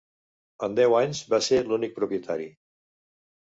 En deu anys va ser l'únic propietari.